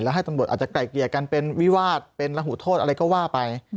แล้วให้ตำรวจอาจจะไกลเกลี่ยกันเป็นวิวาสเป็นระหูโทษอะไรก็ว่าไป